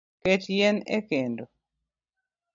Ket yien ekendo